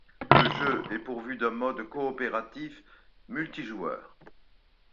Le jeu est pourvu d'un mode coopératif multijoueur.